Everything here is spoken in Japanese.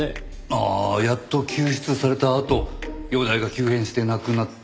ああやっと救出されたあと容体が急変して亡くなったんでしたっけ？